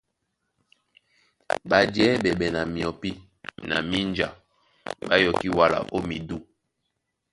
Ɓajɛɛ́ ɓɛɓɛ na myɔpí na mínja ɓá yɔkí wala ó midû.